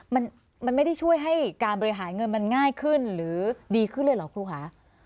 มันมันไม่ได้ช่วยให้การบริหารเงินมันง่ายขึ้นหรือดีขึ้นเลยเหรอครูคะ